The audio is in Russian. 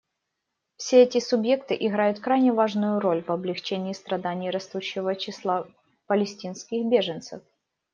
Все эти субъекты играют крайне важную роль в облегчении страданий растущего числа палестинских беженцев.